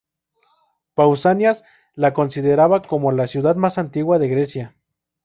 Pausanias la consideraba como la ciudad más antigua de Grecia.